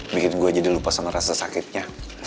bikin gue jadi lupa sama rasa sakitnya